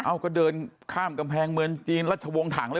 เอ้าก็เดินข้ามกำแพงเมืองจีนแล้วจะวงถังเลย